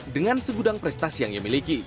dengan segudang prestasi yang ia miliki